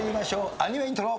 アニメイントロ。